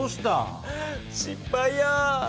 失敗や。